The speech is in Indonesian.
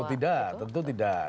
oh tidak tentu tidak